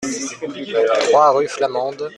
trois rue Flamande